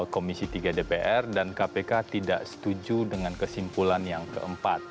komisi tiga dpr dan kpk tidak setuju dengan kesimpulan yang keempat